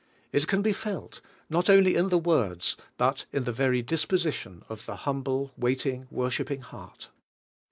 ^' It can be felt, not only in the words, but in the very disposition of the humble, waiting, worshiping heart.